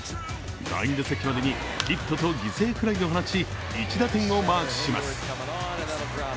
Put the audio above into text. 第２打席までにヒットと犠牲フライを放ち１打点をマークします。